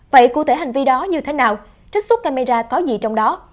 vậy cụ thể hành vi đó như thế nào trích xuất camera có gì trong đó